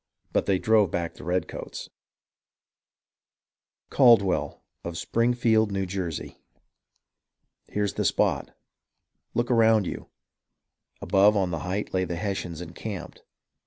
But they drove back the redcoats ! CALDWELL, OF SPRINGFIELD, N.J. Here's the spot. Look around you. Above on the height Lay the Hessians encamped.